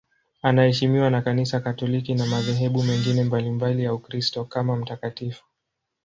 Anaheshimiwa na Kanisa Katoliki na madhehebu mengine mbalimbali ya Ukristo kama mtakatifu.